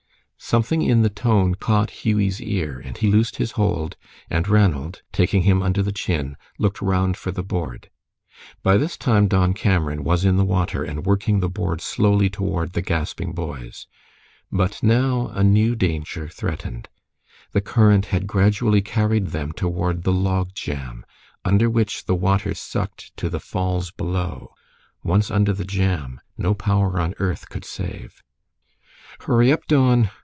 Something in the tone caught Hughie's ear, and he loosed his hold, and Ranald, taking him under the chin, looked round for the board. By this time Don Cameron was in the water and working the board slowly toward the gasping boys. But now a new danger threatened. The current had gradually carried them toward the log jam, under which the water sucked to the falls below. Once under the jam, no power on earth could save. "Hurry up, Don!"